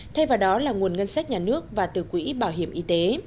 thay vào đó là nguồn ngân sách nhà nước và từ quỹ bảo hiểm y tế